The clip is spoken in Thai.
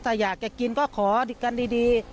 ถ้าอยากจะกินก็ขอกันดี